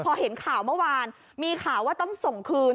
พอเห็นข่าวเมื่อวานมีข่าวว่าต้องส่งคืน